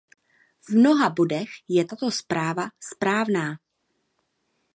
V mnoha bodech je tato zpráva správná.